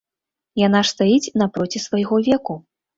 Яна ж стаіць напроці свайго веку.